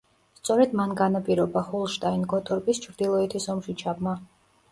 სწორედ მან განაპირობა ჰოლშტაინ-გოტორპის ჩრდილოეთის ომში ჩაბმა.